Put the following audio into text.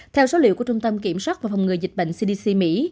theo số liệu của trung tâm kiểm soát và phòng ngừa dịch bệnh cdc mỹ